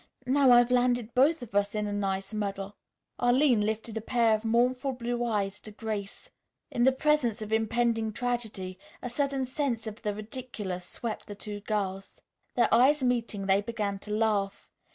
Now I've landed both of us in a nice muddle." Arline lifted a pair of mournful blue eyes to Grace. In the presence of impending tragedy a sudden sense of the ridiculous swept the two girls. Their eyes meeting, they began to laugh.